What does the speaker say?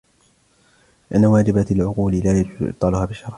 لِأَنَّ وَاجِبَاتِ الْعُقُولِ لَا يَجُوزُ إبْطَالُهَا بِالشَّرْعِ